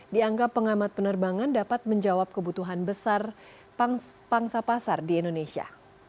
dianggap pengamat penerbangan dapat menjawab kebutuhan besar pangsa pasar di indonesia